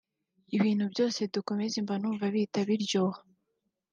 ibintu byose dukoze mba numva bihita biryoha